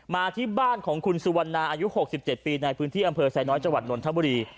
มาที่บ้านของคุณสุวรรณาอายุ๖๗ปีในพื้นที่อำเภอไซน้อยจังหวัดนนทบุรี